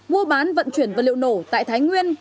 mua bán vận chuyển vật liệu nổ tại thái nguyên